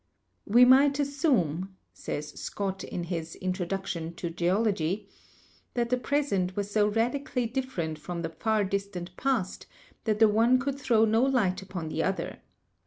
"We might assume," says Scott in his 'Introduction to Geology,' "that the present was so radically different from the far distant past, that the one could throw no light upon the other.